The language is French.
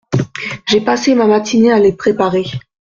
J'ai passé ma matinée a les préparer …